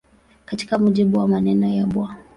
Katika mujibu wa maneno ya Bw.